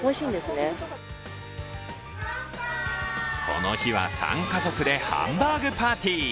この日は３家族でハンバーグパーティー。